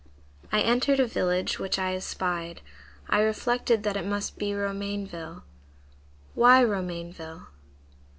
"I entered a village which I espied. I reflected that it must be Romainville. (Why Romainville?)